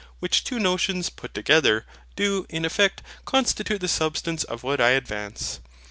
Which two notions put together, do, in effect, constitute the substance of what I advance.